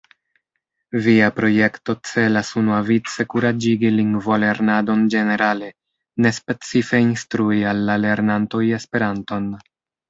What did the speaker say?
Via projekto celas unuavice kuraĝigi lingvolernadon ĝenerale, ne specife instrui al la lernantoj Esperanton.